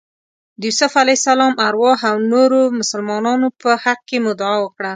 د یوسف علیه السلام ارواح او نورو مسلمانانو په حق کې مو دعا وکړه.